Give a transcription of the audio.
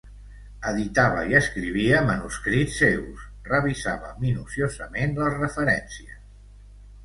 Editava i escrivia manuscrits seus, revisava minuciosament les referències.